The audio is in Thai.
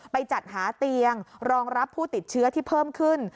จัดหาเตียงรองรับผู้ติดเชื้อที่เพิ่มขึ้น